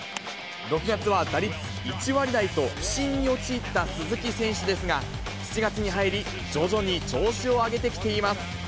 ６月は打率１割台と、不振に陥った鈴木選手ですが、７月に入り、徐々に調子を上げてきています。